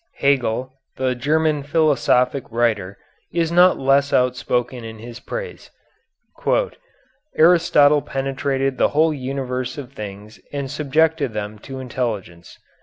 Hegel, the German philosophic writer, is not less outspoken in his praise: "Aristotle penetrated the whole universe of things and subjected them to intelligence."